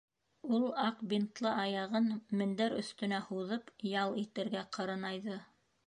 Ул аҡ бинтлы аяғын мендәр өҫтөнә һуҙып, ял итергә ҡырынайҙы.